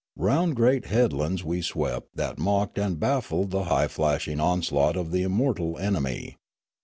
Round great headlands we swept that mocked and baffled the high flashing onslaught of the immortal enemy.